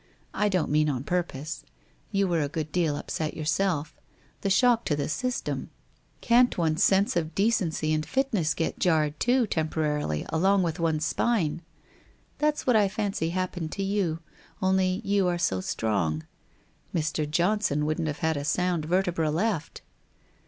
(I don't mean on purpose.) You were a good deal upset yourself. The shock to the system ! Can't one's sense of decency and fitness get jarred, too, temporarily, along with one's spine? That's what I fancy happened to you, only you are so strong. Mr. Johnson wouldn't have had a sound vertebra left